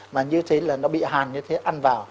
mà như thế là nó bị hàn như thế ăn vào